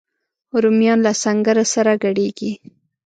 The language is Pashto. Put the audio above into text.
رومیان له سنګره سره ګډیږي